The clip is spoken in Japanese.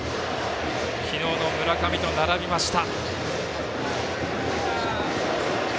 昨日の村上と並びました。